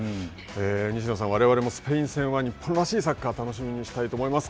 西野さん、われわれもスペイン戦は日本らしいサッカーを楽しみにしたいと思います。